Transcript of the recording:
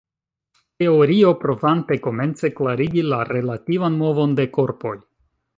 Teorio provante komence klarigi la relativan movon de korpoj.